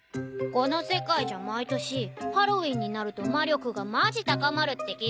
この世界じゃ毎年ハロウィーンになると魔力がマジ高まるって気付いたんだ。